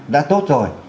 đã tốt rồi